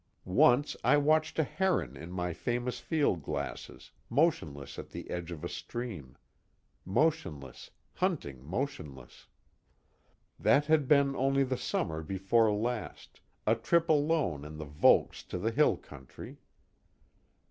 Once I watched a heron in my famous field glasses, motionless at the edge of a stream. Motionless, hunting motionless. That had been only the summer before last, a trip alone in the Volks to the hill country.